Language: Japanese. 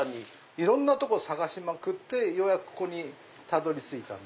いろんなとこ探しまくってようやくここにたどり着いた。